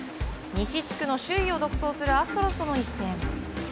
西地区の首位を独走するアストロズとの一戦。